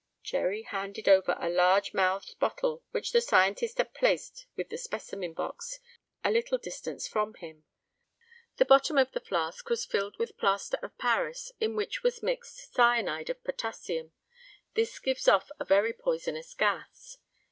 Jerry handed over a large mouthed bottle which the scientist had placed with his specimen box a little distance from him. The bottom of the flask was filled with plaster of Paris, in which was mixed cyanide of potassium. This gives off a very poisonous gas.